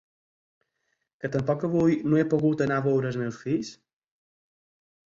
Que tampoc avui no he pogut anar a veure els meus fills?